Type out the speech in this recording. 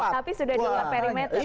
tapi sudah di luar perimeter